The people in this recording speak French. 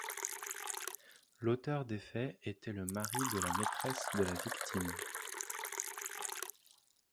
L'auteur des faits était le mari de la maitresse de la victime.